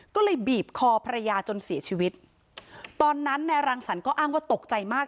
ก็เลยบีบคอภรรยาจนเสียชีวิตตอนนั้นนายรังสรรค์ก็อ้างว่าตกใจมาก